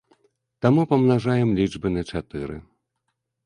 Таму памнажаем лічбы на чатыры.